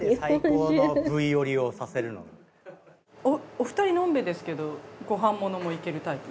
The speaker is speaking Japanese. お二人のんべえですけどご飯ものもいけるタイプ？